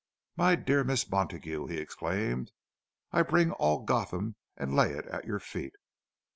"My dear Miss Montague," he exclaimed, "I bring all Gotham and lay it at your feet!